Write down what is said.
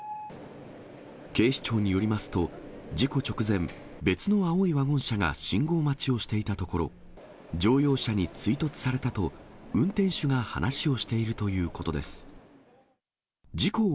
警視庁によりますと、事故直前、別の青いワゴン車が信号待ちをしていたところ、乗用車に追突されたと、運転手が話をしているということです。